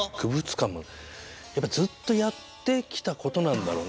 やっぱずっとやってきたことなんだろうね。